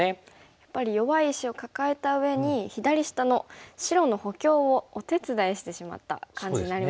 やっぱり弱い石を抱えたうえに左下の白の補強をお手伝いしてしまった感じになりましたね。